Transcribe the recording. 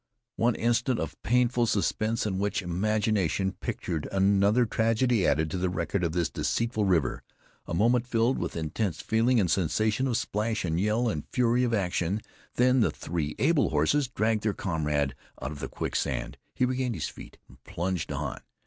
One instant of painful suspense, in which imagination pictured another tragedy added to the record of this deceitful river a moment filled with intense feeling, and sensation of splash, and yell, and fury of action; then the three able horses dragged their comrade out of the quicksand. He regained his feet, and plunged on.